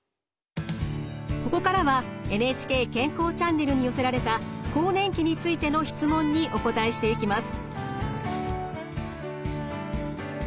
ここからは「ＮＨＫ健康チャンネル」に寄せられた更年期についての質問にお答えしていきます。